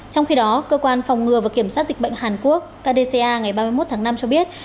trong khi đó cơ quan phòng ngừa và kiểm soát dịch bệnh hàn quốc kdca ngày ba mươi một tháng năm cho biết